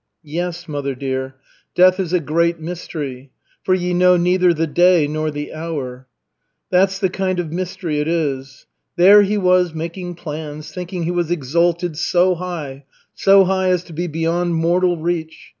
"Yes, mother dear, death is a great mystery. 'For ye know neither the day nor the hour.' That's the kind of mystery it is. There he was making plans, thinking he was exalted so high, so high as to be beyond mortal reach.